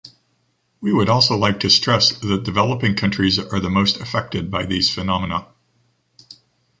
We would also like to stress that developing countries are the most affected by these phenomena.